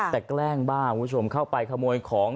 แต่แกล้งบ้างคุณผู้ชมเข้าไปขโมยของ